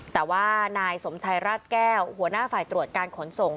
แต่ว่านายสมชัยราชแก้วหัวหน้าฝ่ายตรวจการขนส่ง